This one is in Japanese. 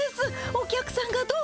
お客さんがどっ。